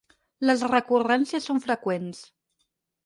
Les recurrències són freqüents.